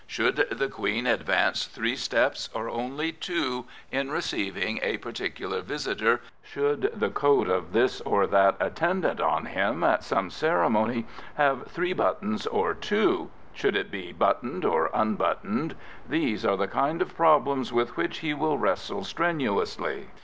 Should the Queen advance three steps or only two in receiving a particular visitor, should the coat of this or that attendant on him at some ceremony have three buttons or two, should it be buttoned or un buttoned, these are the kind of problems with which he will wrestle strenuously.